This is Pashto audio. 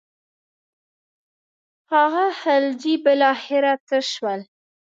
هغه خلجي بالاخره څه شول.